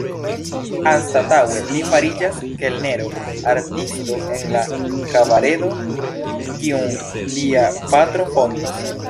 Anstataŭe li fariĝas kelnero-artisto en la kabaredo, kiun lia patro fondis.